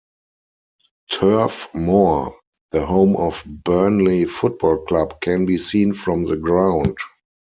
Turf Moor, the home of Burnley Football Club, can be seen from the ground.